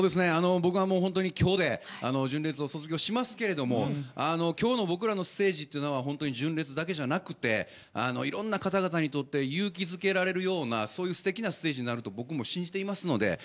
僕は本当に今日で純烈を卒業しますけど今日の僕らのステージというのは純烈だけじゃなくていろんな方々にとって勇気づけられるようなそういうすてきなステージになると僕も信じていますので。